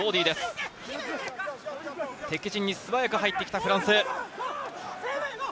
敵陣に素早く入ってきたフランス。